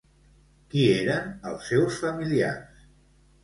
Qui eren els seus familiars?